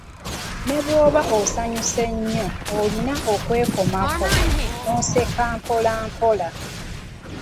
"Ne bw’oba osanyuse nnyo, olina okwekomako n'oseka mpolampola."